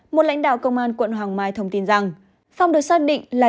một lãnh đạo công an quận hoàng mai thông tin rằng phong được xác định là